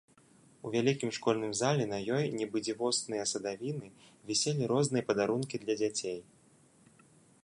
У вялікім школьным зале на ёй, нібы дзівосныя садавіны, віселі розныя падарункі для дзяцей.